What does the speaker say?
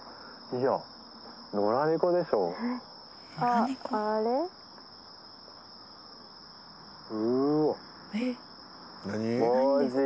いや野良猫でしょうわマジ